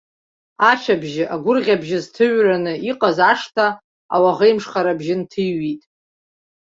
Ашәабжьы, агәырӷьабжьы зҭыҩраны иҟаз ашҭа ауаӷаимшхара бжьы нҭыҩит.